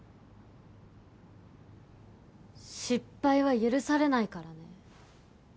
失敗は許されないからね